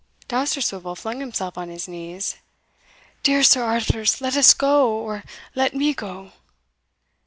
Dousterswivel flung himself on his knees "Dear Sir Arthurs, let us go, or let me go!"